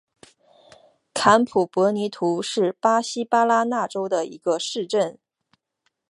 坎普博尼图是巴西巴拉那州的一个市镇。